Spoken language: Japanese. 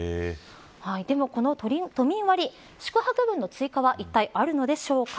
でも、この都民割宿泊分の追加はいったいあるのでしょうか。